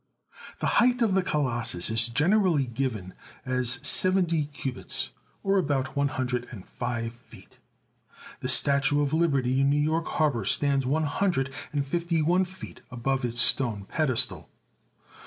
The height of the Colossus is generally given as seventy cubits, or about one hundred and five feet. The Statue of Liberty in New York har bour stands one hundred and fifty one feet above its stone pedestal.